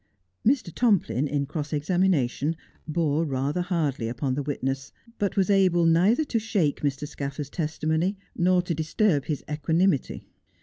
Mr. Tomplin, in cross examination, bore rather hardly upon the witness, but was able neither to shake Mr. Scaffers' testimony nor to disturb his equanimity.